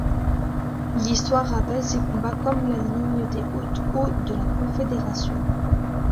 L'histoire rappelle ces combats comme la ligne des hautes eaux de la Confédération.